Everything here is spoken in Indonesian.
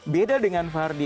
beda dengan vardy